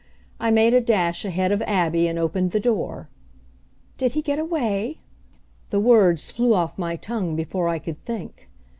I made a dash ahead of Abby, and opened the door. "Did he get away?" The words flew off my tongue before I could think.